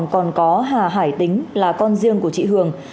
còn có hà hải tính là con riêng của chị hường